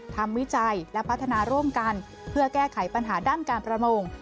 วิจัยและพัฒนาร่วมกันเพื่อแก้ไขปัญหาด้านการประมง